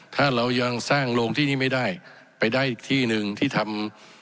ถ้าเรายังสร้างโรงที่นี้ไม่ได้ไปได้อีกที่หนึ่งที่ทำ